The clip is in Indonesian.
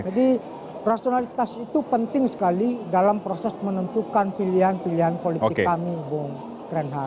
jadi rasionalitas itu penting sekali dalam proses menentukan pilihan pilihan politik kami bung renhal